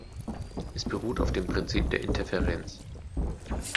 Es beruht auf dem Prinzip der Interferenz.